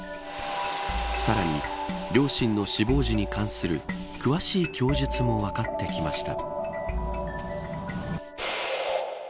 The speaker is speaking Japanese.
さらに、両親の死亡時に関する詳しい供述も分かってきました。